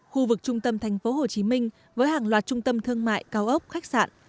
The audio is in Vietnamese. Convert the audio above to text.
khu vực trung tâm tp hcm với hàng loạt trung tâm thương mại cao ốc khách sạn